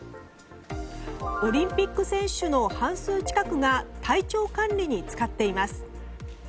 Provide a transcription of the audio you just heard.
オリンピック選手の半数近くが体調管理に使っています。